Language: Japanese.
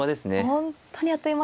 本当にあっという間ですよね